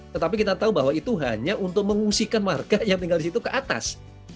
tetapi kita tahu bahwa itu hanya untuk mengungsikan warga yang tinggal di situ ke atas